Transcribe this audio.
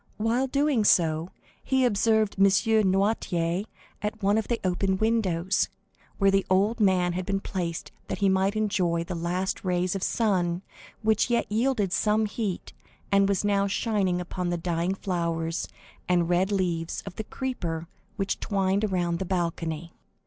While doing so, he observed M. Noirtier at one of the open windows, where the old man had been placed that he might enjoy the last rays of the sun which yet yielded some heat, and was now shining upon the dying flowers and red leaves of the creeper which twined around the balcony.